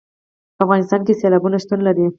په افغانستان کې سیلابونه شتون لري.